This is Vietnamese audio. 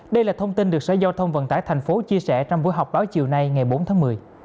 đây là thông tin được sở giao thông vận tải thành phố chia sẻ trong buổi họp báo chiều nay ngày bốn tháng một mươi